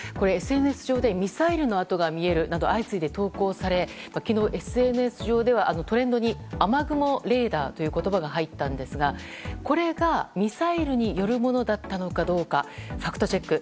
ＳＮＳ上でミサイルの跡が見えるなど相次いで投稿され、昨日ＳＮＳ上ではトレンドに雨雲レーダーという言葉が入ったんですが、これがミサイルによるものだったのかどうかファクトチェック。